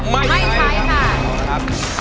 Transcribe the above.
ไม่ใช้ค่ะ